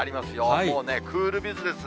もうね、クールビズですね。